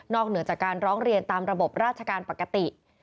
เหนือจากการร้องเรียนตามระบบราชการปกติ